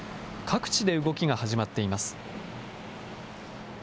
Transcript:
各地で動きが始まっています。